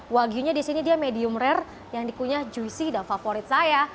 wagyunya di sini dia medium rare yang dikunyah juicy dan favorit saya